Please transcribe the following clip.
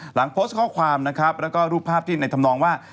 หลังโพสต์ข้อความนะครับแล้วก็รูปภาพที่ในธรรมนองว่า